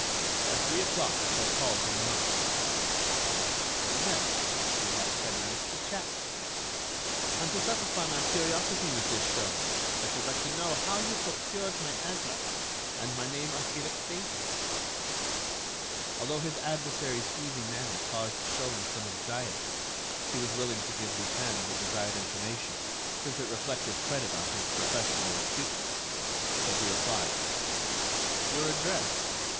At three o'clock I shall call Ganimard." "Well, then, we have ten minutes to chat. And to satisfy my curiosity, Monsieur Sholmes, I should like to know how you procured my address and my name of Felix Davey?" Although his adversary's easy manner caused Sholmes some anxiety, he was willing to give Lupin the desired information since it reflected credit on his professional astuteness; so he replied: "Your address?